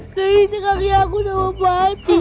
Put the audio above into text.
kehidupan kaki aku sama papi